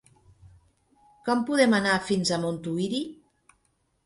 Com podem anar fins a Montuïri?